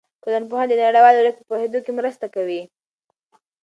ټولنپوهنه د نړیوالو اړیکو په پوهېدو کې مرسته کوي.